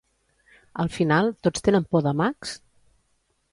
Al final, tots tenen por de Max?